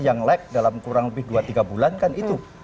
yang lag dalam kurang lebih dua tiga bulan kan itu